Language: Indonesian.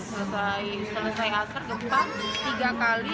selesai aser gempa tiga kali